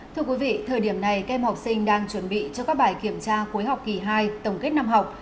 thưa quý vị thời điểm này các em học sinh đang chuẩn bị cho các bài kiểm tra cuối học kỳ hai tổng kết năm học